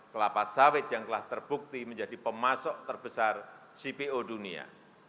kelapa sawit yang telah terbukti menjadi pemasok terbesar cpo dunia